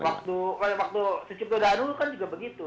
waktu waktu sucipto danu kan juga begitu